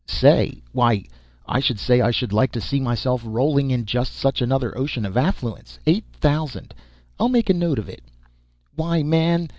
"Say! Why, I should say I should like to see myself rolling in just such another ocean of affluence. Eight thousand! I'll make a note of it. Why man!